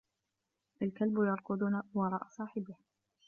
الْكَلْبُ يَرْكَضُ وَراءَ صَاحِبِهُ.